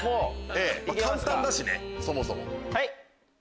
簡単だしねそもそも。